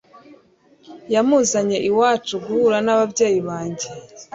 yamuzanye iwacu guhura n'ababyeyi banjye